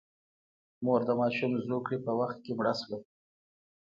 مور د ماشوم زوکړې په وخت کې مړه شوه.